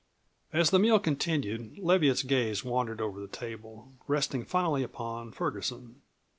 As the meal continued Leviatt's gaze wandered over the table, resting finally upon Ferguson.